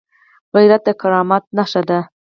غیرت د کرامت نښه ده